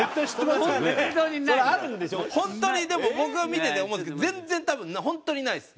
本当にでも僕は見てて思うんですけど全然多分本当にないです。